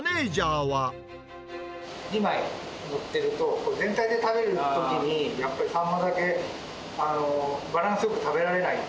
２枚載ってると、全体で食べるときにやっぱりサンマだけバランスよく食べられない。